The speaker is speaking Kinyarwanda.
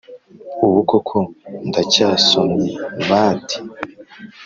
Ubu koko ndacyasomyebadi